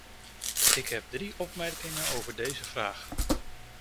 Ik heb drie opmerkingen over deze vraag.